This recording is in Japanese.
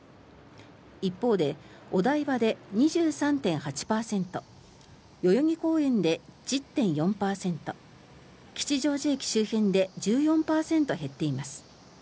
一方で、お台場で２３．８％代々木公園で１０．４％吉祥寺駅周辺で１４％減っています。